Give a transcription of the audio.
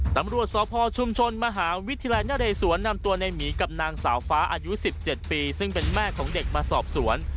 ตำรวจสพชุมชนมหาวิทยาลัยนเรศวรนำตัวในหมีกับนางสาวฟ้าอายุ๑๗ปีซึ่งเป็นแม่ของเด็กมาสอบสวน